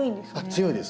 強いです。